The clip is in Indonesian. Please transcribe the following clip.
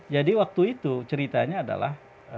jadi waktu itu ceritanya adalah